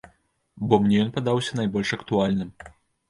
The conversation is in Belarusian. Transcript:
Бо мне ён падаўся найбольш актуальным.